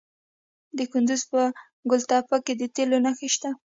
د کندز په ګل تپه کې د تیلو نښې شته.